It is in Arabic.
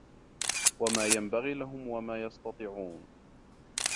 وَما يَنبَغي لَهُم وَما يَستَطيعونَ